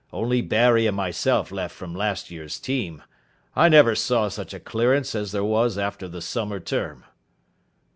Only Barry and myself left from last year's team. I never saw such a clearance as there was after the summer term."